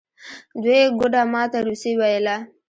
دوی ګوډه ما ته روسي ویله.